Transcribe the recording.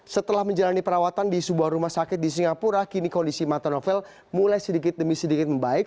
setelah menjalani perawatan di sebuah rumah sakit di singapura kini kondisi mata novel mulai sedikit demi sedikit membaik